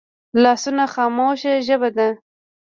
لاسونه خاموشه ژبه ده